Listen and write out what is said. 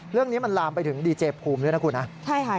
เรื่องนี้มันลามไปถึงดีเจพูมด้วยนะครับคุณ